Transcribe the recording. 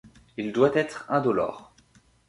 Il doit être indolore.